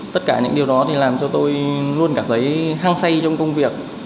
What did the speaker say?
tất cả những điều đó thì làm cho tôi luôn cảm thấy hăng say trong công việc